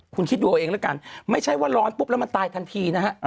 คุณคิดดูเอาเองแล้วกันไม่ใช่ว่าร้อนปุ๊บแล้วมันตายทันทีนะฮะ